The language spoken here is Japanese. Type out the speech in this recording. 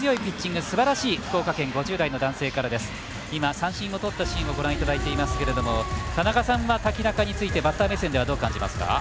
三振をとったシーンをご覧いただいてますが田中さんは、瀧中についてバッター目線ではどう感じますか？